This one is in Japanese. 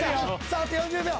あと４０秒。